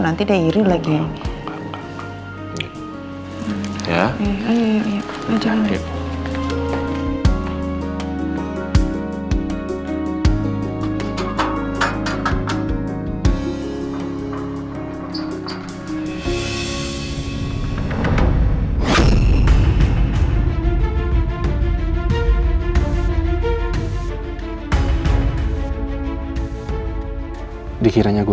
nanti dia iri lagi ya